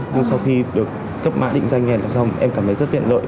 nhưng sau khi được cấp mã định danh này là xong em cảm thấy rất tiện lợi